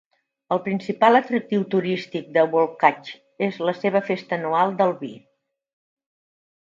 El principal atractiu turístic de Volkach és la seva festa anual del vi.